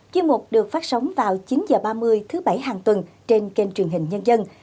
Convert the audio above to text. chuyên mục được phát sóng vào chín h ba mươi thứ bảy hàng tuần trên kênh truyền hình nhân dân